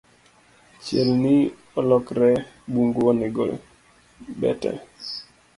Chielni olokore bungu onego bete